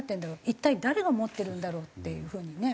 一体誰が持ってるんだろう？っていう風にね。